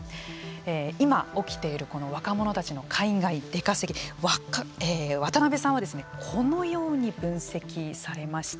今、起きているこの若者たちの海外出稼ぎ渡辺さんは、このように分析されました。